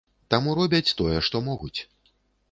Таму робяць тое, што могуць.